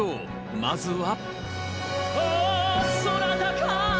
まずは。